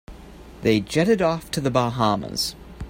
They jetted off to the Bahamas.